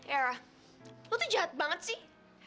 era lo tuh jahat banget sih